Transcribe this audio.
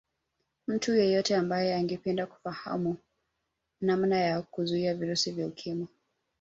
Mtu yeyote ambaye angependa kufahamu namna ya kuzuia virusi vya Ukimwi